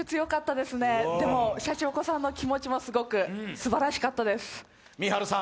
でも、シャチホコさんの気持ちもすごくすばらしかったです。